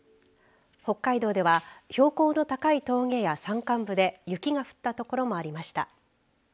北海道では標高の高い峠や山間部で雪が降ったところもありました。